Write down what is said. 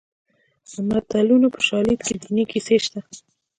د متلونو په شالید کې دیني کیسې شته